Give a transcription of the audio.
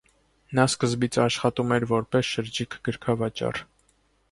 Նա սկզբից աշխատում էր, որպես շրջիկ գրքավաճառ։